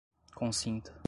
consinta